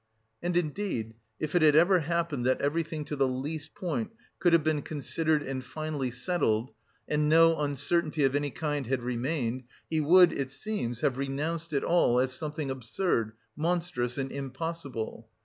And, indeed, if it had ever happened that everything to the least point could have been considered and finally settled, and no uncertainty of any kind had remained, he would, it seems, have renounced it all as something absurd, monstrous and impossible.